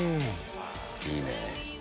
いいね。